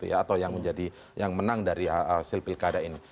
atau yang menjadi yang menang dari hasil pilkada ini